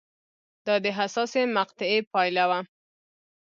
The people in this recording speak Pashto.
دا د حساسې مقطعې پایله وه